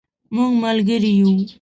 مونږ ملګري یو